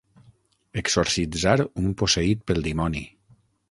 Exorcitzar un posseït pel dimoni.